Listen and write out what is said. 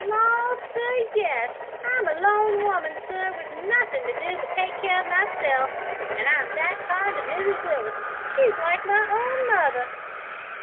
"La, sir! yes. I'm a lone woman, sir, with nothin' to do but take care of myself; an' I'm that fond of Mrs Willis she's like my own mother."